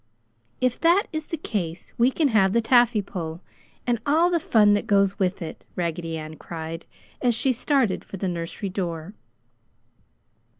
"If that is the case, we can have the taffy pull and all the fun that goes with it!" Raggedy Ann cried, as she started for the nursery door.